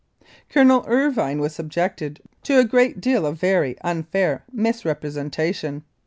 Colonel Irvine was subjected to a great deal of very unfair misrepresentation.